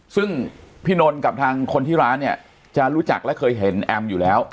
ซึ่งพี่นนท์กับทางคนที่ร้านเนี่ยจะรู้จักและเคยเห็นแอมอยู่แล้ว